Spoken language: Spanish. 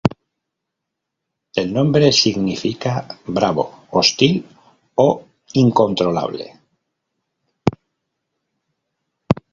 El nombre significa bravo, hostil o incontrolable.